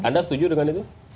anda setuju dengan itu